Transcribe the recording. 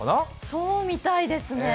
そうみたいですね。